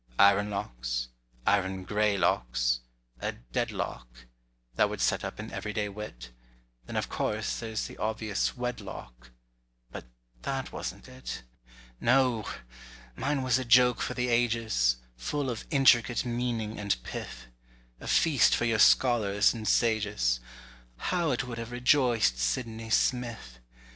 Iron locks—iron gray locks—a "deadlock"— That would set up an everyday wit: Then of course there's the obvious "wedlock;" But that wasn't it. No! mine was a joke for the ages; Full of intricate meaning and pith; A feast for your scholars and sages— How it would have rejoiced Sidney Smith!